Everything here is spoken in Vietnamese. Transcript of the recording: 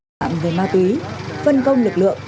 tổ hai mươi một vi phạm về ma túy phân công lực lượng